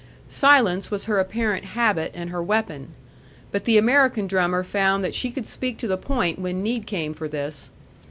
Silence was her apparent habit and her weapon; but the American drummer found that she could speak to the point when need came for this.